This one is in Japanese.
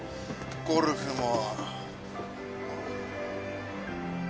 ゴルフも。